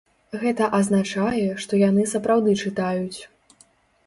Гэта азначае, што яны сапраўды чытаюць.